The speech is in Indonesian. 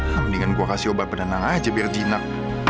mendingan gue kasih obat penenang aja biar jinak